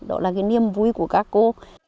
đó là cái niềm vui của các cô